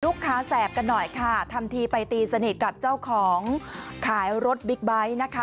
แสบกันหน่อยค่ะทำทีไปตีสนิทกับเจ้าของขายรถบิ๊กไบท์นะคะ